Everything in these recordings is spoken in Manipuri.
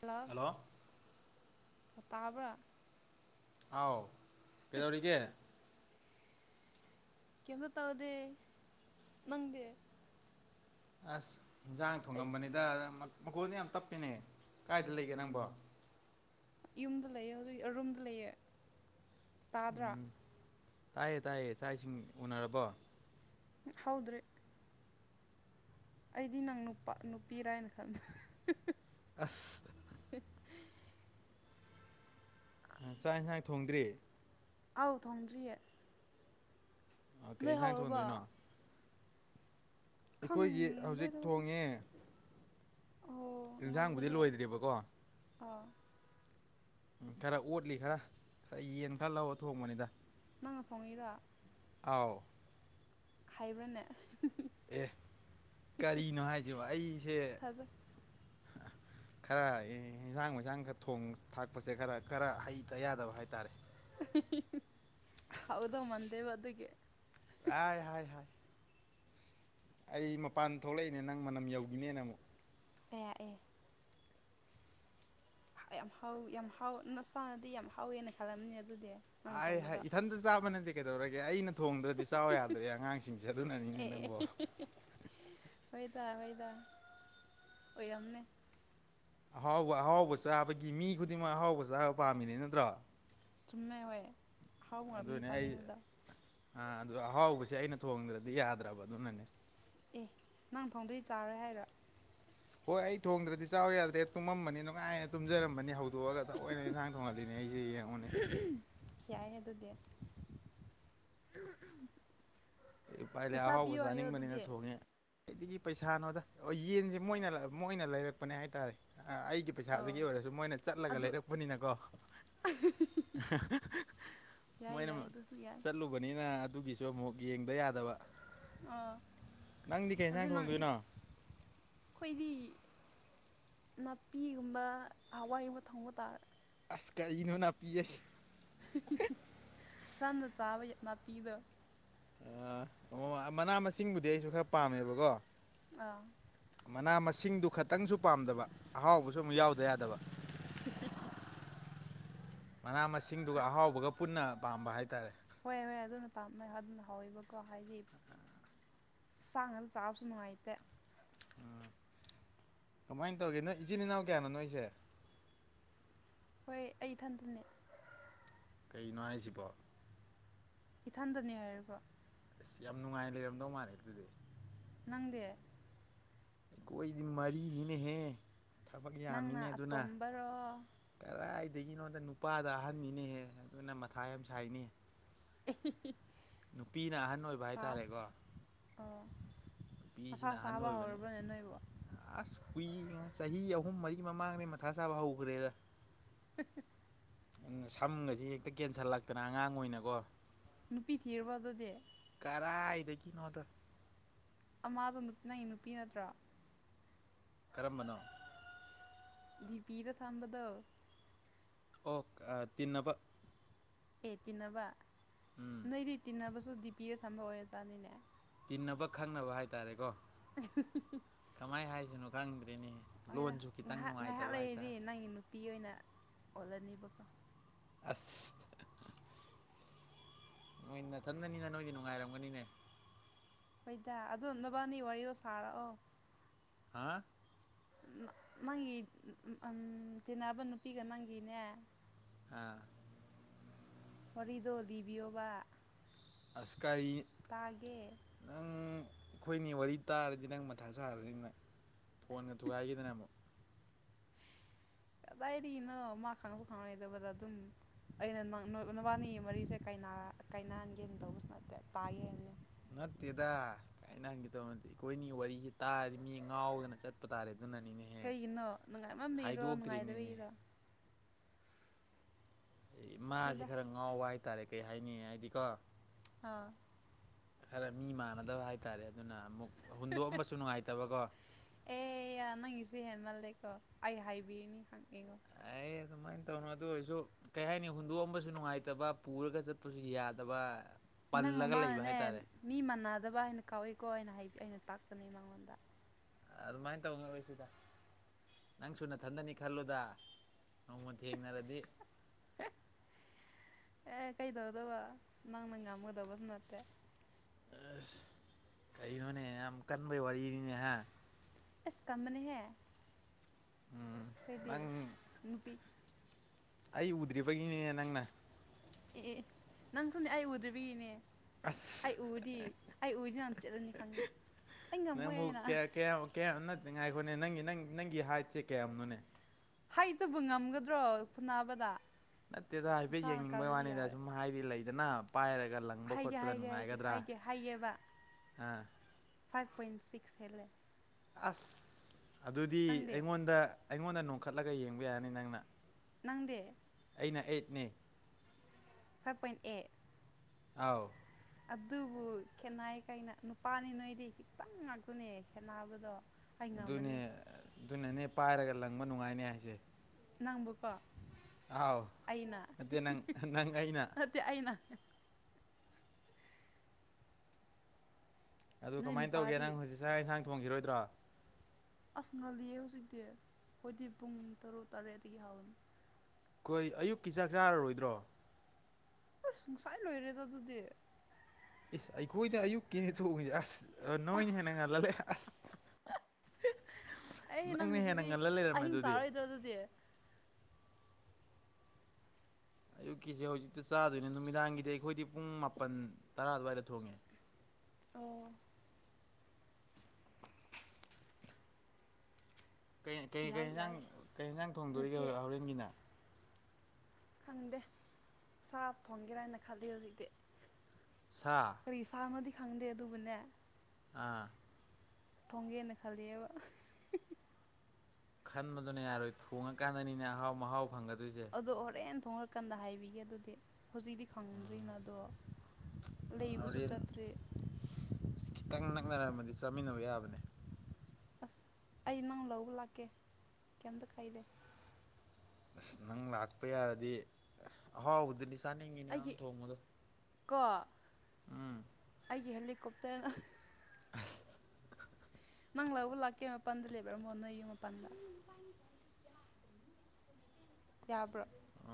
ꯍꯜꯂꯣ ꯑꯇꯥꯕ꯭ꯔꯥ ꯑꯥꯎ ꯀꯩꯗꯧꯔꯤꯒꯦ ꯀꯩꯝꯇ ꯇꯧꯗꯦ ꯅꯪꯗꯤ ꯑꯁ ꯍꯤꯟꯖꯥꯡ ꯑꯩ ꯊꯣꯡꯉꯝꯕꯅꯤꯗ ꯃꯈꯣꯟꯖꯦ ꯌꯥꯝ ꯇꯞꯄꯦꯅꯦ ꯀꯥꯏꯗ ꯂꯩꯒꯦ ꯅꯪꯕꯣ ꯌꯨꯝꯗ ꯂꯩꯌꯦ ꯍꯧꯖꯤꯛ ꯑ ꯔꯨꯝꯗ ꯂꯩꯌꯦ ꯇꯥꯗ꯭ꯔꯥ ꯎꯝ ꯇꯥꯏꯌꯦ ꯇꯥꯏꯌꯦ ꯆꯥꯛ ꯏꯁꯤꯡ ꯎꯅꯔꯕꯣ ꯍꯧꯗ꯭ꯔꯤ ꯑꯩꯗꯤ ꯅꯪ ꯅꯨꯄꯥ ꯅꯨꯄꯤꯔꯥꯅ ꯈꯟꯕ ꯑꯁ [unintelligible] ꯆꯥꯛ ꯍꯤꯟꯖꯥꯡ ꯊꯣꯡꯗ꯭ꯔꯤ ꯑꯥꯎ ꯊꯣꯡꯗ꯭ꯔꯤꯌꯦ ꯑꯣ ꯀꯩ ꯅꯣꯏ ꯏꯟꯁꯥꯡ ꯍꯧꯔꯕꯣ ꯊꯣꯟꯗꯣꯏꯅꯣ ꯑꯩꯈꯣꯏꯒꯤ ꯍꯧꯖꯤꯛ ꯈꯪꯗꯦꯗ ꯍꯧꯖꯤꯛꯇꯤ ꯊꯣꯡꯉꯦ ꯑꯣ ꯏꯟꯁꯥꯡꯕꯨꯗꯤ ꯉꯜꯂꯦꯍꯦ ꯂꯣꯏꯗ꯭ꯔꯤꯕꯀꯣ ꯑ ꯎꯝ ꯈꯔ ꯑꯣꯠꯂꯤ ꯈꯔ ꯈꯔ ꯌꯦꯟ ꯈꯔ ꯂꯧꯔꯨꯔ ꯊꯣꯡꯕꯅꯤꯗ ꯅꯪꯅ ꯊꯣꯡꯉꯤꯔꯥ ꯑꯥꯎ ꯍꯩꯕ꯭ꯔꯥꯅꯦ ꯑꯦ ꯀꯔꯤꯅꯣ ꯍꯥꯏꯖꯤꯕꯣ ꯑꯩꯁꯦ ꯊꯥꯖꯩ ꯈꯔ ꯍꯤꯟꯖꯥꯥꯡ ꯃꯩꯁꯥꯡ ꯈꯔ ꯊꯣꯡ ꯊꯥꯛꯄꯁꯦ ꯈꯔ ꯈꯔ ꯍꯩꯇ ꯌꯥꯗꯕ ꯍꯥꯏꯇꯥꯔꯦ ꯍꯥꯎꯗꯧ ꯃꯥꯟꯗꯦꯕ ꯑꯗꯨꯒꯤ ꯑꯥꯏ ꯍꯥꯏ ꯍꯥꯏ ꯑꯩ ꯃꯄꯥꯟ ꯊꯣꯛꯂꯛꯏꯅꯦ ꯅꯪ ꯃꯅꯝ ꯌꯧꯒꯤꯅꯦꯅ ꯑꯃꯨꯛ ꯑꯌꯥ ꯑꯦ ꯑꯌꯥꯝ ꯍꯥꯎ ꯌꯥꯝ ꯍꯥꯎ ꯅꯁꯥꯅꯗꯤ ꯌꯥꯝ ꯍꯥꯎꯋꯦꯅ ꯈꯜꯂꯝꯅꯤ ꯑꯗꯨꯗꯤ ꯅꯪ ꯑꯥꯏ ꯍꯥꯏ ꯊꯣꯡꯕꯗꯣ ꯏꯊꯟꯗ ꯆꯥꯕ ꯅꯠꯇꯦ ꯀꯩꯗꯧꯔꯒꯦ ꯑꯩꯅ ꯊꯣꯡꯗ꯭ꯔꯗꯤ ꯆꯥꯎ ꯌꯥꯗ꯭ꯔꯦ ꯑꯉꯥꯡꯁꯤꯡꯁꯦ ꯑꯗꯨꯅꯅꯤꯅꯦ ꯑꯦ ꯅꯪꯕꯣ ꯑꯦ ꯍꯣꯏꯗ ꯍꯣꯏꯗ ꯑꯣꯏꯔꯝꯅꯤ ꯑꯍꯥꯎꯕ ꯑꯍꯥꯎꯕ ꯆꯥꯕꯒꯤ ꯃꯤ ꯈꯨꯗꯤꯡꯃꯛ ꯑꯍꯥꯎꯕ ꯆꯥꯕ ꯄꯥꯝꯃꯤꯅꯦ ꯅꯠꯇ꯭ꯔꯣ ꯆꯨꯝꯃꯦ ꯍꯣꯏ ꯑꯍꯥꯎꯕ ꯉꯥꯛꯇꯅꯤ ꯑꯗꯨꯅꯦ ꯑꯩ ꯆꯥꯅꯤꯡꯕꯗ ꯑꯥ ꯑꯗꯨ ꯑꯍꯥꯎꯕꯁꯦ ꯑꯩꯅ ꯊꯣꯡꯗ꯭ꯔꯗꯤ ꯌꯥꯗ꯭ꯔꯕ ꯑꯗꯨꯅꯅꯦ ꯑꯦ ꯅꯪ ꯊꯣꯡꯗ꯭ꯔꯗꯤ ꯆꯥꯔꯣꯏ ꯍꯥꯏꯔꯣ ꯍꯣꯏ ꯑꯩ ꯊꯣꯡꯗ꯭ꯔꯗꯤ ꯆꯥꯎ ꯌꯥꯗ꯭ꯔꯦ ꯇꯨꯝꯃꯝꯕꯅꯤ ꯅꯨꯡꯉꯥꯏꯅ ꯇꯨꯝꯖꯔꯝꯕꯅꯤ ꯍꯧ ꯗꯣꯛꯑꯒ ꯊꯑꯣꯏꯅ ꯑꯦꯟꯖꯥꯡ ꯊꯣꯡꯍꯜꯂꯤꯅꯦ ꯑꯩꯖꯦ ꯌꯦꯡꯉꯨꯅꯦ ꯌꯥꯏꯍꯦ ꯑꯗꯨꯗꯤ ꯀꯩ ꯎꯄꯥꯏ ꯂꯩ ꯄꯩꯁꯥ ꯑꯍꯥꯎꯕ ꯄꯤꯌꯣ ꯍꯥꯏꯌꯣ ꯆꯥꯅꯤꯡꯕꯅꯤꯅ ꯑꯗꯨꯗꯤ ꯊꯣꯡꯉꯦ ꯀꯥꯏꯗꯒꯤ ꯄꯩꯁꯥꯅꯣꯗ ꯑꯣ ꯌꯦꯟꯁꯦ ꯃꯣꯏꯅ ꯃꯣꯏꯅ ꯂꯩꯔꯛꯄꯅꯦ ꯍꯥꯏꯇꯥꯔꯦ ꯑꯩꯒꯤ ꯑꯣ ꯄꯩꯁꯥꯗꯒꯤ ꯑꯣꯏꯔꯁꯨ ꯃꯣꯏꯅ ꯆꯠꯂꯒ ꯑꯗꯨ ꯂꯩꯔꯛꯄꯅꯤꯅꯀꯣ [unintelligible] ꯌꯥꯏ ꯃꯣꯏꯅ ꯌꯥꯏ ꯑꯗꯨꯁꯨ ꯌꯥꯏ ꯆꯠꯂꯨ ꯕꯅꯤꯅ ꯑꯗꯨꯒꯤꯁꯨ ꯑꯃꯨꯛ ꯌꯦꯡꯗ ꯌꯥ ꯗꯕ ꯑꯥ ꯅꯪꯗꯤ ꯀꯩ ꯑꯗꯨ ꯌꯦꯟꯁꯥꯡ ꯅꯪ ꯊꯣꯡꯗꯣꯏꯅꯣ ꯑꯩꯈꯣꯏꯗꯤ ꯅꯥꯄꯤꯒꯨꯝꯕ ꯍꯋꯥꯏꯒꯨꯝꯕ ꯊꯣꯡꯕ ꯇꯥꯔꯦ ꯑꯁ ꯀꯔꯤꯅꯣ ꯅꯥꯄꯤ ꯍꯥꯏꯁ [unintelligible] ꯁꯟꯅ ꯆꯥꯕ ꯅꯥꯄꯤꯗꯣ ꯑꯣ ꯑꯥ ꯃꯅꯥ ꯃꯁꯤꯡꯕꯨꯗꯤ ꯑꯩꯁꯨ ꯈꯔꯥ ꯄꯥꯝꯃꯦꯕꯀꯣ ꯑꯥ ꯃꯅꯥ ꯃꯁꯤꯡꯗꯨ ꯈꯇꯪꯁꯨ ꯄꯥꯝꯗꯕ ꯑꯍꯥꯎꯕꯁꯨ ꯑꯃꯨꯛ ꯌꯥꯎꯗ ꯌꯥꯗꯕ [inaudible] ꯃꯅꯥ ꯃꯁꯤꯡꯗꯨꯒ ꯑꯍꯥꯎꯕꯒ ꯄꯨꯟꯅ ꯄꯥꯝꯕ ꯍꯥꯏꯇꯥꯔꯦ ꯍꯣꯏ ꯍꯣꯏ ꯑꯗꯨꯅ ꯄꯥꯝꯃꯦ ꯑꯗꯨꯅ ꯍꯥꯎꯋꯦꯕꯀꯣ ꯍꯥꯏꯗꯤ ꯁꯥ ꯉꯥꯛꯇ ꯆꯥꯕꯁꯨ ꯅꯨꯡꯉꯥꯏꯇꯦ ꯀꯃꯥꯏꯟ ꯇꯧꯒꯦ ꯅꯣꯏ ꯏꯆꯤꯜ ꯏꯅꯥꯎ ꯀꯌꯥꯅꯣ ꯅꯣꯏꯁꯦ ꯍꯣꯏ ꯑꯩ ꯏꯊꯟꯇꯅꯦ ꯀꯩꯅꯣ ꯍꯥꯏꯁꯤꯕꯣ ꯏꯊꯟꯗꯅꯦ ꯍꯥꯏꯔꯒ ꯑꯁ ꯌꯥꯝ ꯅꯨꯡꯉꯥꯏ ꯂꯩꯔꯝꯗꯧ ꯃꯥꯜꯂꯦ ꯑꯗꯨꯗꯤ ꯅꯪꯗꯤ ꯑꯩꯈꯣꯏꯗꯤ ꯃꯔꯤꯅꯤꯅꯦꯍꯦ ꯊꯕꯛ ꯅꯪꯅ ꯌꯥꯝꯃꯤꯅꯦ ꯑꯗꯨꯅ ꯑꯇꯣꯝꯕꯔꯣ ꯀꯗꯥꯏꯗꯒꯤꯅꯣꯗ ꯅꯨꯄꯥꯗ ꯑꯍꯟꯅꯤꯅꯦꯍꯦ ꯑꯗꯨꯅ ꯃꯊꯥ ꯌꯥꯝ ꯁꯥꯏꯅꯦ [inaudible] ꯅꯨꯄꯤꯅ ꯑꯍꯟ ꯑꯣꯏꯕ ꯁꯥꯎ ꯍꯥꯏꯇꯥꯔꯦꯀꯣ ꯑꯣ ꯃꯊꯥ ꯄꯤꯁꯤꯅ ꯑꯍꯟ ꯁꯥꯕ ꯑꯣꯏꯕꯅꯦ ꯍꯧꯔꯕ꯭ꯔꯅꯦ ꯅꯣꯏꯕꯨ ꯑꯁ ꯀꯨꯏ ꯆꯍꯤ ꯑꯍꯨꯝ ꯃꯔꯤ ꯃꯃꯥꯡꯗꯩ ꯃꯊꯥ ꯁꯥꯕ ꯍꯧꯒꯔꯦꯗ [unintelligible] ꯑꯗꯨꯅ ꯁꯝꯒꯁꯦ ꯍꯦꯛꯇ ꯀꯦꯟꯁꯜꯂꯛꯇꯅ ꯑꯉꯥꯡ ꯑꯣꯏꯅꯀꯣ ꯅꯨꯄꯤ ꯊꯤꯔꯕ ꯑꯗꯨꯗꯤ ꯀꯔꯥꯏꯗꯒꯤꯅꯣꯗ ꯑꯃꯥꯗꯣ ꯅꯪꯒꯤ ꯅꯨꯄꯤ ꯅꯠꯇ꯭ꯔꯣ ꯀꯔꯝꯕꯅꯣ ꯗꯤꯄꯤꯗ ꯊꯝꯕꯗꯣ ꯑꯣ ꯑꯥ ꯇꯤꯟꯅꯕ ꯑꯦ ꯇꯤꯟꯅꯕ ꯎꯝ ꯅꯣꯏꯗꯤ ꯇꯤꯟꯅꯕꯁꯨ ꯗꯤ ꯄꯤꯗ ꯊꯝꯕ ꯑꯣꯏꯔ ꯖꯥꯠꯅꯤꯅꯦ ꯇꯤꯟꯅꯕ ꯈꯪꯅꯕ ꯍꯥꯏꯇꯥꯔꯦꯀꯣ [unintelligible] ꯀꯃꯥꯏ ꯍꯥꯏꯁꯤꯅꯣ ꯈꯪꯗ꯭ꯔꯦꯅꯦ ꯍꯣꯏꯗ ꯂꯣꯟꯁꯨ ꯈꯤꯇꯪ ꯅꯨꯡꯉꯥꯏꯇꯕ ꯍꯥꯏꯇꯥꯔꯦ ꯄꯤ ꯑꯣꯏꯅ ꯑꯣꯜꯂꯅꯤꯕꯀꯣ ꯑꯁ ꯅꯣꯏ ꯅꯥꯊꯟꯗꯅꯤꯅ ꯅꯣꯏꯗꯤ ꯅꯨꯡꯉꯥꯏꯔꯝꯒꯅꯤꯅꯦ ꯍꯣꯏꯗ ꯑꯗꯨ ꯅꯕꯥꯅꯤ ꯋꯥꯔꯤꯗꯣ ꯁꯥꯔꯛꯑꯣ ꯍꯥꯥ ꯅꯪꯒꯤ ꯇꯤꯟꯅꯕ ꯅꯨꯄꯤꯒ ꯅꯪꯒꯤꯅꯦ ꯍꯥ ꯋꯥꯔꯤꯗꯣ ꯂꯤꯕꯤꯌꯣꯕꯥ ꯑꯥꯁ ꯀꯔꯤ ꯇꯥꯒꯦ ꯅꯪ ꯑꯩꯈꯣꯏꯅꯤ ꯋꯥꯔꯤ ꯇꯥꯔꯗꯤ ꯅꯪ ꯃꯊꯥ ꯁꯥꯔꯅꯤ ꯅꯪ ꯐꯣꯟꯒ ꯊꯨꯒꯥꯏꯈꯤꯗꯅ ꯑꯃꯨꯛ ꯀꯗꯥꯏꯔꯤꯅꯣ ꯃꯥ ꯈꯪꯁꯨ ꯈꯪꯉꯥꯔꯣꯏꯗꯕꯗꯥ ꯑꯗꯨꯝ ꯑꯩꯅ ꯅꯣꯏ ꯅꯕꯥꯅꯤꯒꯤ ꯃꯔꯤꯁꯦ ꯀꯥꯏꯅꯥ ꯀꯥꯏꯅꯥꯍꯟꯒꯦꯅ ꯇꯧꯕꯁꯨ ꯅꯠꯇꯦ ꯇꯥꯒꯦ ꯍꯥꯏꯕꯅꯤ ꯅꯠꯇꯦꯗꯥ ꯀꯥꯏꯅꯍꯟꯒꯦ ꯇꯧꯕ ꯅꯠꯇꯦ ꯑꯩꯈꯣꯏꯅꯤꯒꯤ ꯋꯥꯔꯤꯁꯤ ꯇꯥꯔꯗꯤ ꯃꯤ ꯉꯥꯎꯗꯅ ꯆꯠꯄ ꯇꯥꯔꯦ ꯑꯗꯨꯅꯅꯤꯅꯦ ꯀꯩꯒꯤꯅꯣ ꯅꯨꯡꯉꯥꯏꯃꯟꯕꯒꯤꯔꯣ ꯅꯨꯡꯉꯥꯏꯇꯥꯕꯒꯤꯔꯣ ꯃꯥꯁꯤ ꯍꯣꯏꯗ ꯈꯔ ꯉꯥꯎꯕ ꯍꯥꯏꯇꯥꯔꯦ ꯀꯩ ꯍꯥꯏꯅꯤ ꯍꯥꯏꯗꯤꯀꯣ ꯍꯥꯥ ꯈꯔ ꯃꯤ ꯃꯥꯟꯅꯗꯕ ꯍꯥꯏꯇꯥꯔꯦ ꯑꯗꯨꯅ ꯑꯃꯨꯛ ꯍꯨꯟꯗꯣꯛꯑꯝꯕꯁꯨ ꯅꯨꯡꯉꯥꯏꯇꯕꯀꯣ ꯑꯦ ꯌꯥ ꯅꯪꯒꯤꯁꯨ ꯍꯦꯟꯃꯜꯂꯦꯀꯣ ꯑꯩ ꯍꯥꯏꯕꯤꯔꯥꯅꯤ ꯍꯪ ꯌꯦꯡꯉꯣ ꯑꯦ ꯑꯗꯨꯃꯥꯏꯅ ꯇꯧꯅꯣ ꯑꯗꯨ ꯑꯣꯏꯔꯁꯨ ꯀꯩ ꯍꯥꯏꯅꯤ ꯍꯨꯟꯗꯣꯛꯑꯝꯕꯁꯨ ꯅꯨꯡꯉꯥꯏꯇꯕ ꯄꯨꯔꯒ ꯆꯠꯄꯁꯨ ꯌꯥꯗꯕ ꯅꯪꯕꯨ ꯄꯜꯂꯒ ꯂꯩꯕ ꯃꯥꯅꯅꯦ ꯍꯥꯏꯇꯥꯔꯦ ꯃꯤ ꯃꯥꯟꯅꯗꯕ ꯍꯥꯏꯅ ꯀꯥꯎꯏꯀꯣ ꯑꯩꯅ ꯍꯥꯏ ꯑꯩꯅ ꯇꯥꯛꯄꯅꯦ ꯃꯥꯉꯣꯟꯗ ꯑꯗꯨꯃꯥꯏꯟ ꯇꯧꯅꯔꯣꯏꯁꯤꯗ ꯅꯪꯁꯨ ꯅꯥꯊꯟꯗꯅꯤ ꯈꯜꯂꯨꯗ ꯅꯣꯡꯃ ꯊꯦꯡꯅꯔꯗꯤ ꯑꯦ ꯀꯩꯗꯧꯗꯨꯕ ꯅꯪꯅ ꯉꯝꯒꯗꯕꯁꯨ ꯅꯠꯇꯦ ꯑꯁ ꯀꯩꯅꯣꯅꯦ ꯌꯥꯝ ꯀꯟꯕꯩ ꯋꯥꯔꯤꯅꯤꯅꯦ ꯍꯥ ꯑꯁ ꯀꯟꯕꯅꯤꯍꯦ ꯎꯝ ꯑꯈꯣꯏꯗꯤ ꯅꯪ ꯅꯨꯄꯤ ꯑꯩ ꯎꯗ꯭ꯔꯤꯕꯒꯤꯅꯤꯅꯦ ꯅꯪꯅ ꯑꯦ ꯑꯦ ꯅꯪꯁꯨꯅꯦ ꯑꯩ ꯎꯗ꯭ꯔꯤꯕꯒꯤꯅꯦ ꯑꯁ ꯑꯩ ꯎꯔꯗꯤ ꯑꯩ ꯎꯔꯗꯤ ꯅꯪ ꯆꯦꯜꯂꯅꯤ ꯈꯪꯉꯤ ꯑꯩ ꯉꯝꯃꯣꯏ ꯍꯥꯏꯅ ꯀ꯭ꯌꯥꯝ ꯀ꯭ꯌꯥꯝ ꯅꯠꯇꯦ ꯉꯥꯏꯈꯣꯅꯦ ꯅꯪꯒꯤ ꯅꯪ ꯅꯪꯒꯤ ꯍꯥꯏ꯭ꯠꯁꯦ ꯀꯌꯥꯝꯅꯣꯅꯦ ꯍꯥꯏ꯭ꯠꯇꯕꯨ ꯉꯝꯒꯥꯗ꯭ꯔꯣ ꯐꯨꯅꯥꯕꯗꯥ ꯅꯠꯇꯦꯗ ꯍꯥꯏꯐꯦꯠ ꯌꯦꯡꯅꯤꯡꯕꯩ ꯋꯥꯅꯤꯗ ꯁꯨꯝ ꯍꯥꯏꯗꯤ ꯂꯩꯗꯅ ꯄꯥꯏꯔꯒ ꯂꯪ ꯍꯥꯏꯒꯦ ꯍꯥꯏꯒꯦ ꯍꯥꯏꯒꯦ ꯍꯥꯏꯒꯦ ꯍꯥꯏꯌꯦꯕ ꯍꯥ ꯐꯥꯏ꯭ꯚ ꯄꯣꯏꯟ ꯁꯤꯛꯁ ꯍꯦꯜꯂꯦ ꯑꯁ ꯑꯗꯨꯗꯤ ꯅꯪꯗꯤ ꯑꯩꯉꯣꯟꯗ ꯑꯩꯉꯣꯟꯗ ꯅꯣꯡꯈꯠꯂꯒ ꯌꯦꯡꯕ ꯌꯥꯅꯤ ꯅꯪꯅ ꯅꯪꯗꯤ ꯑꯩꯅ ꯑꯩꯠꯅꯦ ꯐꯥꯏ꯭ꯚ ꯄꯣꯏꯟ ꯑꯩꯠ ꯑꯥꯎ ꯑꯗꯨꯕꯨ ꯈꯦꯠꯅꯩ ꯀꯩꯅꯣ ꯅꯨꯄꯥꯅꯤ ꯅꯣꯏꯗꯤ ꯈꯤꯇꯪ ꯉꯥꯛꯇꯅꯦ ꯈꯦꯠꯅꯕꯗꯣ ꯑꯩ ꯑꯗꯨꯅꯦ ꯉꯝꯃꯅꯤ ꯑꯗꯨꯅꯅꯦ ꯄꯥꯏꯔꯒ ꯂꯪꯕ ꯅꯨꯡꯉꯥꯏꯅꯦ ꯍꯥꯏꯁꯦ ꯅꯪꯕꯨꯀꯣ ꯑꯥꯎ ꯑꯩꯅꯥ ꯅꯠꯇꯦ ꯅꯪ ꯅꯪ ꯑꯩꯅ ꯅꯠꯇꯦ ꯑꯩꯅꯥ ꯑꯗꯨ ꯅꯣꯏ ꯀꯃꯥꯏꯟ ꯇꯧꯒꯦ ꯅꯨꯄꯥꯗꯤ ꯅꯪ ꯍꯧꯖꯤꯛ ꯆꯥꯛ ꯌꯦꯟꯁꯥꯡ ꯊꯣꯡꯈꯤꯔꯣꯏꯗ꯭ꯔꯣ ꯑꯁ ꯉꯜꯂꯤꯌꯦ ꯍꯧꯖꯤꯛꯇꯤ ꯈꯣꯏꯗꯤ ꯄꯨꯡ ꯇꯔꯨꯛ ꯇꯔꯦꯠꯇꯒꯤ ꯍꯧꯅꯤ ꯀꯣꯏ ꯑꯌꯨꯛꯀꯤ ꯆꯥꯛ ꯆꯥꯔꯔꯣꯏꯗ꯭ꯔꯣ ꯑꯁ ꯉꯁꯥꯏ ꯂꯣꯏꯔꯦꯗ ꯑꯗꯨꯗꯤ ꯏꯁ ꯑꯩꯈꯣꯏꯗ ꯑꯌꯨꯛꯀꯤꯅꯦ ꯊꯣꯛꯉꯤꯁꯦ ꯑꯁ ꯅꯣꯏꯅ ꯍꯦꯟꯅ ꯉꯜꯂ ꯂꯩ ꯑꯁ ꯑꯩ ꯅꯪꯅ ꯍꯦꯟꯅ ꯅꯪꯒꯤꯁꯤꯗꯤ ꯉꯜꯂ ꯂꯩꯔꯝꯃꯦ ꯑꯗꯨꯗꯤ [unintelligible] ꯑꯗꯨꯗꯤ ꯑꯌꯨꯛꯀꯤꯁꯦ ꯍꯧꯖꯤꯛꯇ ꯆꯥꯗꯣꯏꯅꯦ ꯅꯨꯃꯤꯗꯥꯡꯒꯤꯗꯤ ꯑꯩꯈꯣꯏꯗꯤ ꯄꯨꯡ ꯃꯥꯄꯟ ꯇꯔꯥ ꯑꯗꯨꯋꯥꯏꯗ ꯊꯣꯡꯉꯦ ꯑꯣ ꯀꯩ ꯀꯩ ꯌꯥꯏ ꯀꯩꯖꯥꯡ ꯌꯥꯏ ꯀꯩꯌꯦꯟꯖꯥꯡ ꯊꯣꯡꯗꯣꯔꯤꯒꯦ ꯅꯆꯦ ꯍꯣꯔꯦꯟꯒꯤꯅ ꯈꯪꯗꯦ ꯁꯥ ꯊꯣꯟꯒꯦꯔꯅ ꯈꯜꯂꯤ ꯍꯧꯖꯤꯛꯇꯤ ꯁꯥ ꯀꯔꯤ ꯁꯥꯥꯅꯣꯗꯤ ꯈꯪꯗꯦ ꯑꯗꯨꯕꯨꯅꯦ ꯑꯥ ꯊꯣꯡꯒꯦꯅ ꯈꯜꯂꯤꯑꯦꯕ ꯈꯟꯕꯗꯨꯅ ꯌꯥꯔꯣꯏ ꯊꯣꯡꯉꯀꯥꯟꯗꯅꯤꯅꯦ ꯑꯍꯥꯎ ꯃꯍꯥꯎ ꯐꯪꯒꯗꯣꯏꯖꯦ ꯑꯗꯣ ꯍꯣꯔꯦꯟ ꯊꯣꯉꯀꯥꯟꯗ ꯍꯥꯏꯕꯤꯒꯦ ꯑꯗꯨꯗꯤ ꯍꯧꯖꯤꯛꯗꯤ ꯈꯪꯗ꯭ꯔꯤꯅ ꯑꯗꯣ ꯂꯩꯕꯁꯨ ꯆꯠꯇ꯭ꯔꯤ ꯑꯁ ꯈꯤꯇꯪ ꯅꯛꯅꯔꯝꯃꯗꯤ ꯆꯥꯃꯤꯟꯅꯕ ꯌꯥꯕꯅꯦ ꯑꯁ ꯑꯩ ꯅꯪ ꯂꯧꯕ ꯂꯥꯛꯀꯦ ꯀꯩꯝꯗ ꯀꯥꯏꯗꯦ ꯑꯁ ꯅꯪ ꯂꯥꯛꯄ ꯌꯥꯔꯗꯤ ꯑꯍꯥꯎꯕꯗꯨꯗꯤ ꯆꯥꯅꯤꯡꯉꯤꯅꯦ ꯅꯪ ꯑꯩꯒꯤ ꯊꯣꯡꯕꯗꯣ ꯀꯣ ꯎꯝ ꯍꯦꯂꯤꯀꯣꯞꯇꯔꯅ ꯑꯁ ꯅꯪ ꯂꯧꯕ ꯂꯥꯛꯀꯦ ꯃꯄꯥꯟꯗ ꯂꯩꯕ꯭ꯤꯔꯝꯃꯣ ꯅꯣꯏ ꯌꯨꯝ ꯃꯄꯥꯟꯗ ꯌꯥꯕ꯭ꯔꯣ ꯑ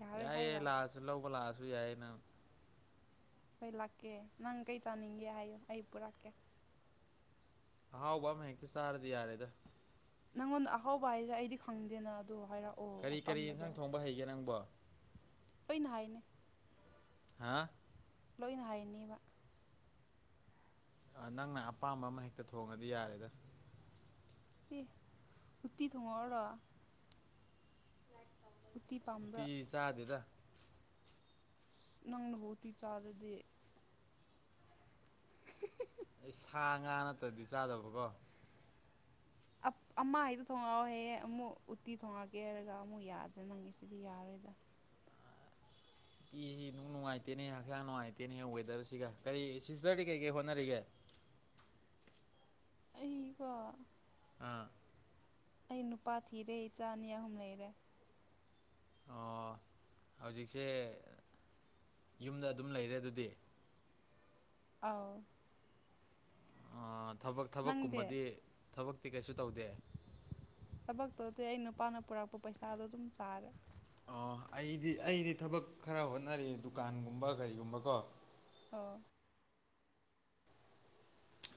ꯌꯥꯔꯣꯏ ꯌꯥꯏꯌꯦ ꯍꯥꯏꯔꯣ ꯂꯥꯛꯑꯁꯨ ꯂꯧꯕ ꯂꯥꯛꯑꯁꯨ ꯌꯥꯏꯌꯦ ꯅꯪ ꯍꯣꯏ ꯂꯥꯛꯀꯦ ꯅꯪ ꯀꯩ ꯆꯥꯅꯤꯡꯒꯦ ꯍꯥꯏꯌꯨ ꯑꯩ ꯄꯨꯔꯛꯀꯦ ꯑꯍꯥꯎꯕ ꯑꯃ ꯍꯦꯛꯇ ꯆꯥꯔꯗꯤ ꯌꯥꯔꯦꯗ ꯅꯪꯉꯣꯟꯗ ꯑꯍꯥꯎꯕ ꯍꯥꯏꯁꯦ ꯑꯩꯗꯤ ꯈꯪꯗꯦꯅ ꯑꯗꯨ ꯍꯥꯏꯔꯛꯑꯣ ꯀꯔꯤ ꯀꯔꯤ ꯑꯄꯥꯝꯕꯗꯣ ꯏꯟꯁꯥꯡ ꯊꯣꯡꯕ ꯍꯩꯒꯦ ꯅꯪꯕꯣ ꯑꯩꯅ ꯍꯥꯏꯅꯤ ꯍꯥꯥ ꯂꯣꯏꯅ ꯍꯩꯅꯤꯕ ꯑ ꯅꯪꯅ ꯑꯄꯥꯝꯕ ꯑꯃ ꯍꯦꯛꯇ ꯊꯣꯡꯉꯗꯤ ꯌꯥꯔꯦꯗ ꯑꯦ ꯎꯇꯤ ꯊꯣꯡꯉꯛꯑꯣꯔꯣ ꯎꯠꯇꯤ ꯄꯥꯝꯕ꯭ꯔꯥ ꯎꯇꯤ ꯆꯥꯗꯦꯗ ꯑꯁ ꯅꯪꯅꯕꯨ ꯎꯇꯤ ꯆꯥꯗ꯭ꯔꯗꯤ [unintelligible] ꯁꯥ ꯉꯥ ꯅꯠꯇ꯭ꯔꯗꯤ ꯆꯥꯗꯕꯀꯣ ꯑ ꯑꯃ ꯍꯥꯏꯗꯣ ꯊꯣꯉꯛꯑꯣꯍꯦ ꯑꯃꯨꯛ ꯎꯇꯤ ꯊꯣꯡꯉꯛꯀꯦ ꯍꯥꯏꯔꯒ ꯑꯃꯨꯛ ꯌꯥꯗꯦ ꯅꯪꯒꯤꯁꯦ ꯁꯤꯗꯤ ꯌꯥꯔꯣꯏꯗ ꯏꯁꯤ ꯅꯨꯡ ꯅꯨꯡꯉꯥꯏꯇꯦꯅꯦ ꯍꯛꯆꯥꯡ ꯅꯨꯡꯉꯥꯏꯇꯦꯅꯦ ꯋꯦꯗꯔꯁꯤꯒ ꯀꯔꯤ ꯁꯤꯁꯇꯔꯗꯤ ꯀꯩꯀꯩ ꯍꯣꯠꯅꯔꯤꯒꯦ ꯑꯩꯀꯣ ꯑꯥ ꯑꯩ ꯅꯨꯄꯥ ꯊꯤꯔꯦ ꯏꯆꯥ ꯑꯅꯤ ꯑꯍꯨꯝ ꯂꯩꯔꯦ ꯑꯣ ꯍꯧꯖꯤꯛꯁꯦ ꯌꯨꯝꯗ ꯑꯗꯨꯝ ꯂꯩꯔꯦ ꯑꯗꯨꯗꯤ ꯑꯥꯎ ꯑꯥ ꯊꯕꯛ ꯅꯪꯗꯤ ꯊꯕꯛꯀꯨꯝꯕꯗꯤ ꯊꯕꯛꯇꯤ ꯀꯩꯁꯨ ꯇꯧꯗꯦ ꯊꯕꯛ ꯇꯧꯗꯦ ꯑꯩ ꯅꯨꯄꯥꯅ ꯄꯨꯔꯛꯄ ꯄꯩꯁꯥꯗꯣ ꯑꯗꯨꯝ ꯆꯥꯔꯦ ꯑꯣ ꯑꯩꯗꯤ ꯑꯩꯗꯤ ꯊꯕꯛ ꯈꯔ ꯍꯣꯠꯅꯔꯤ ꯗꯨꯀꯥꯟꯒꯨꯝꯕ ꯀꯔꯤꯒꯨꯝꯕ ꯀꯣ ꯑꫭ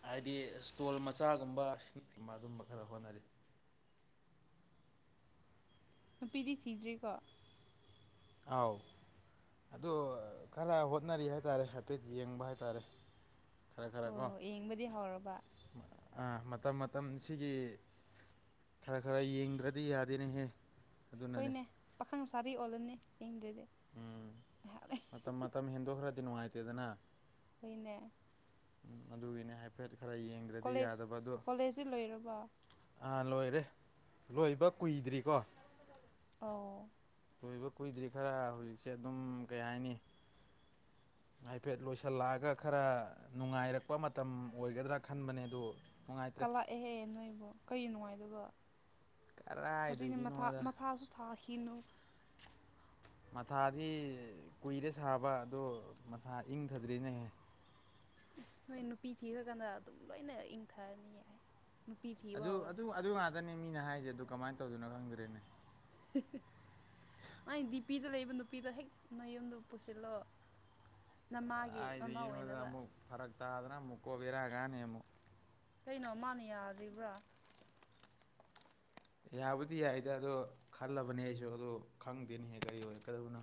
ꯍꯥꯏꯗꯤ ꯏꯁꯇꯣꯜ ꯃꯆꯥꯒꯨꯝꯕ ꯁꯤꯅꯒꯨꯝꯕ ꯑꯗꯨꯝꯕ ꯈꯔ ꯍꯣꯠꯅꯔꯤ ꯅꯨꯄꯤꯗꯤ ꯊꯤꯗ꯭ꯔꯤꯀꯣ ꯑꯥꯎ ꯑꯗꯣ ꯈꯔ ꯍꯣꯠꯅꯔꯤ ꯍꯥꯏꯇꯥꯔꯦ ꯍꯥꯏꯐꯦꯠ ꯌꯦꯡꯕ ꯍꯥꯏꯇꯥꯔꯦ ꯈꯔ ꯈꯔ ꯀꯣ ꯑꯣ ꯌꯦꯡꯕꯗꯤ ꯍꯧꯔꯕ ꯑꯥ ꯃꯇꯝ ꯃꯇꯝ ꯁꯤꯒꯤ ꯈꯔ ꯈꯔ ꯌꯦꯡꯗ꯭ꯔꯗꯤ ꯌꯥꯗꯦꯅꯦꯍꯦ ꯑꯗꯨꯅꯅꯦ ꯍꯣꯏꯅꯦ ꯄꯥꯈꯪ ꯁꯥꯔꯤ ꯑꯣꯜꯂꯅꯤ ꯌꯦꯡꯗ꯭ꯔꯗꯤ ꯎꯝ ꯃꯇꯝ ꯃꯇꯝ ꯍꯦꯟꯗꯣꯛꯈ꯭ꯔꯗꯤ ꯅꯨꯡꯉꯥꯏꯇꯦꯗꯅ ꯍꯣꯏꯅꯦ ꯑꯗꯨꯒꯤꯅꯦ ꯍꯥꯏꯐꯦꯠ ꯈꯔ ꯌꯦꯡ ꯀꯣꯂꯦꯖ ꯀꯣꯂꯦꯖꯗꯤ ꯂꯣꯏꯔꯕꯣ ꯑꯥ ꯂꯣꯏꯔꯦ ꯂꯣꯏꯕ ꯀꯨꯏꯗ꯭ꯔꯤꯀꯣ ꯑꯣ ꯂꯣꯏꯕ ꯀꯨꯏꯗ꯭ꯔꯤ ꯈꯔ ꯍꯧꯖꯤꯛꯁꯦ ꯑꯗꯨꯝ ꯀꯩ ꯍꯥꯏꯅꯤ ꯍꯥꯏꯐꯦꯠ ꯂꯣꯏꯁꯤꯜꯂꯛꯑꯒ ꯈꯔ ꯅꯨꯡꯉꯥꯏꯔꯛꯄ ꯃꯇꯝ ꯑꯣꯏꯒꯗ꯭ꯔꯥ ꯈꯟꯕꯅꯦ ꯑꯗꯨ ꯅꯨꯡꯉꯥꯏꯇ꯭ꯔꯦ ꯀꯥꯂꯛꯑꯦꯍꯦ ꯅꯣꯏꯕꯨ ꯀꯩ ꯅꯨꯡꯉꯥꯏꯗꯕ ꯍꯧꯖꯤꯛꯅ ꯃꯊꯥ ꯀꯔꯥꯏꯗꯒꯤꯅꯣꯗ ꯃꯊꯥꯁꯨ ꯐꯥꯈꯤꯅꯨ ꯃꯊꯥꯗꯤ ꯀꯨꯏꯔꯦ ꯁꯥꯕ ꯑꯗꯣ ꯃꯊꯥ ꯏꯪꯊꯗ꯭ꯔꯤꯅꯦꯍꯦ ꯑꯁ ꯅꯣꯏ ꯅꯨꯄꯤ ꯊꯤꯔꯀꯥꯟꯗ ꯑꯗꯨꯝ ꯂꯣꯏꯅ ꯏꯪꯊꯔꯅꯤꯌꯦ ꯑꯗꯨ ꯑꯗꯨ ꯑꯗꯨ ꯉꯥꯛꯇꯅꯦ ꯃꯤꯅ ꯍꯥꯏꯁꯦ ꯑꯗꯨ ꯀꯃꯥꯏꯅ ꯇꯧꯗꫭꯏꯅꯣ ꯈꯪꯗ꯭ꯔꯦꯅꯦ ꯃꯥꯏ ꯗꯤꯄꯤꯗ ꯂꯩꯕ ꯅꯨꯄꯤꯗꯣ ꯍꯦꯛ ꯅꯌꯨꯝꯗ ꯄꯨꯁꯤꯜꯂꯣ ꯅꯃꯥꯒꯤ ꯃꯥꯃꯧ ꯑꯣꯏꯅꯕ ꯐꯥꯔꯛ ꯇꯥꯗꯅ ꯃꯨꯛꯀꯣ ꯕꯦꯔꯥ ꯀꯥꯅꯤ ꯑꯃꯨꯛ ꯀꯩꯅꯣ ꯃꯥꯅ ꯌꯥꯗ꯭ꯔꯤꯕ꯭ꯔꯥ ꯌꯥꯕꯨꯗꯤ ꯌꯥꯏꯗ ꯑꯗꯣ ꯈꯜꯂꯕꯅꯦ ꯑꯩꯖꯨ ꯑꯗꯨ ꯈꯪꯗꯦꯅꯦꯍ‌ꯦ ꯀꯔꯤ ꯑꯣꯏꯔꯛꯀꯗꯕꯅꯣ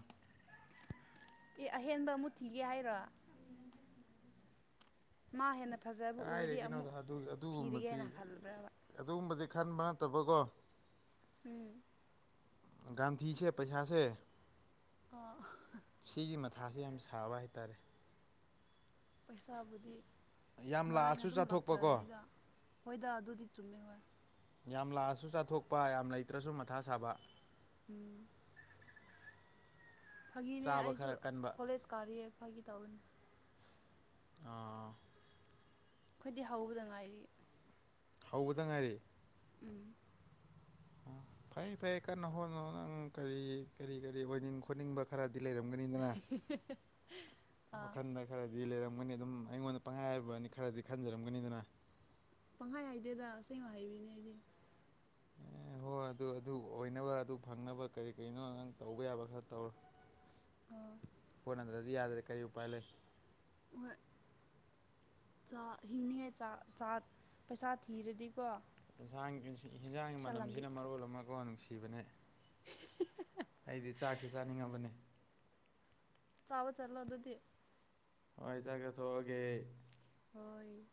ꯑꯦ ꯑꯍꯦꯟꯕ ꯑꯃꯨ ꯊꯤꯒꯦ ꯍꯥꯏꯔꯣ ꯃꯥ ꯍꯦꯟꯅ ꯐꯖ ꯀꯔꯥꯏꯗꯒꯤꯅꯣꯗꯣ ꯑꯗꯨ-ꯑꯗꯨꯒꯨꯝꯕꯗꯤ ꯈꯜꯂꯕ꯭ꯔꯕ ꯑꯗꯨꯒꯨꯝꯕꯗꯤ ꯈꯟꯕ ꯅꯠꯇꯕꯀꯣ ꯎꯝ ꯒꯥꯟꯊꯤꯁꯦ ꯄꯩꯁꯥꯁꯦ ꯑꯣ ꯁꯤꯒꯤ ꯃꯊꯥꯁ‌ꯦ ꯌꯥꯝ ꯁꯥꯕ ꯍꯥꯏꯇꯥꯔꯦ ꯄꯩꯁꯥꯕꯨꯗꯤ ꯌꯥꯝ ꯃꯔꯥꯏꯅ ꯂꯥꯛꯑꯁꯨ ꯑꯗꯨꯝ ꯆꯥꯊꯣꯛꯄꯀꯣ ꯂꯥꯛꯆꯔꯅꯤꯗ ꯍꯣꯏꯗ ꯑꯗꯨꯗꯤ ꯆꯨꯝꯃꯦ ꯍꯣꯏ ꯌꯥꯝ ꯂꯥꯛꯑꯁꯨ ꯆꯥꯊꯣꯛꯄ ꯌꯥꯝ ꯂꯩꯇ꯭ꯔꯁꯨ ꯃꯊꯥ ꯁꯥꯕ ꯎꯝ ꯐꯥꯒꯤꯅꯦ ꯆꯥꯕ ꯑꯩꯁꯨ ꯈꯔ ꯀꯟꯕ ꯀꯣꯂꯦꯖ ꯀꯥꯔꯤꯌ‌ꯦ ꯐꯥꯒꯤ ꯇꯧꯕꯅꯦ ꯑꫭ ꯑꯩꯈꯣꯏꯗꯤ ꯍꯧꯕꯗ ꯉꯥꯏꯔꯤ ꯍꯧꯕꯗ ꯉꯥꯏꯔꯤ ꯎꯝ ꯎꯝ ꯐꯩ-ꯐꯩ ꯀꯟꯅ ꯍꯣꯠꯅꯧ ꯅꯪ ꯀꯔꯤ-ꯀꯔꯤ-ꯀꯔꯤ ꯑꯣꯏꯅꯤꯡ ꯈꯣꯠꯅꯤꯡꯕ ꯈꯔꯗꯤ ꯂꯩꯔꯝꯒꯅꯤꯗꯅ ꯑꯥ ꯋꯥꯈꯟꯗ ꯈꯔꯗꯤ ꯂꯩꯔꯝꯒꯅꯤ ꯑꯗꯨꯝ ꯑꯩꯉꯣꯟꯗ ꯄꯪꯍꯥꯏ ꯍꯥꯏꯕꯋꯥꯅꯤ ꯈꯔꯗꯤ ꯈꯟꯖꯔꯝꯒꯅꯤꯗꯅ ꯄꯪꯍꯥꯏ ꯍꯥꯏꯗꯦꯗ ꯑꯁꯦꯡꯕ ꯍꯥꯏꯕꯤꯅꯤ ꯑꯩꯗꯤ ꯑꯣ ꯍꯣꯏ ꯑꯗꯨ-ꯑꯗꯨ ꯑꯣꯏꯅꯕ ꯑꯗꯨ ꯐꯪꯅꯕ ꯀꯔꯤ ꯀꯔꯤꯅꯣ ꯅꯪ ꯇꯧꯕ ꯌꯥꯕ ꯈꯔ ꯇꯧꯔ‌ꯣ ꯑꯥ ꯍ‌ꯣꯠꯅꯗ꯭ꯔꯗꯤ ꯌꯥꯗ꯭ꯔ‌ꯦ ꯀꯔꯤ ꯎꯄꯥꯥꯏ ꯂꯩ ꯍꯣꯏ ꯆꯥꯛ ꯍꯤꯡꯅꯤꯉꯥꯏ ꯆꯥꯛ ꯆꯥꯠ ꯄꯩꯁꯥ ꯊꯤꯔꯗꯤꯀꯣ ꯌꯦꯟꯖꯥꯡꯒꯤ ꯄꯩꯁꯥ ꯂꯝꯕꯤ ꯃꯅꯝꯁꯤꯅ ꯃꯔꯣꯜ ꯑꯃꯀꯣ ꯅꯨꯡꯁꯤꯕꯅꯦ ꯑꯩꯗꯤ ꯆꯥꯛꯇꯤ ꯆꯥꯅꯤꯡꯉꯕꯅꯦ ꯆꯥꯕ ꯆꯠꯂꯣ ꯑꯗꯨꯗꯤ ꯍ‌ꯣꯏ ꯆꯥꯛ ꯆꯥꯊꯣꯛꯑꯒꯦ ꯑꯩ ꯍꯣꯏ